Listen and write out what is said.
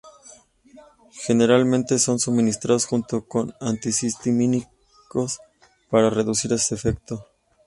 Generalmente son suministrados junto con antihistamínicos para reducir ese efecto.